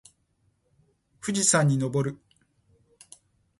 富士山に登る